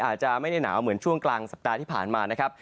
อาจจะไม่ได้หนาวเหมือนช่วงกลางสัปดาห์ที่ผ่านมานะครับ